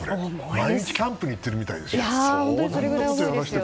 毎日、キャンプに行っているみたいですよ。